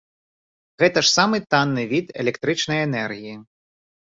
Гэта ж самы танны від электрычнай энергіі.